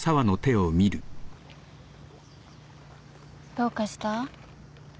どうかした？